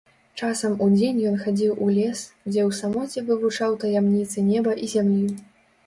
Часам удзень ён хадзіў у лес, дзе ў самоце вывучаў таямніцы неба і зямлі.